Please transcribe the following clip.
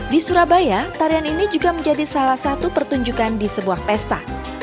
di surabaya tarian ini juga menjadi salah satu pertunjukan di sebuah pesta